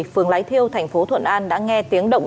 phường lái thiêu tp thuận an đã nghe tiếng động